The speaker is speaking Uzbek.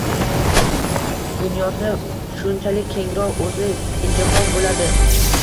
Вunyosi shunchalik kengroq, o‘zi injiqroq bo‘ladi.